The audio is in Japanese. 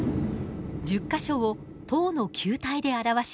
１０か所を１０の球体で表します。